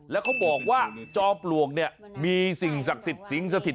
แล้วเขาบอกว่าจอมปลวงมีสิ่งศักดิ์สิงห์สถิต